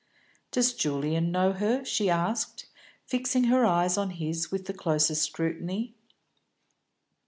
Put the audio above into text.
"Does Julian know her?" she asked, fixing her eyes on his with the closest scrutiny.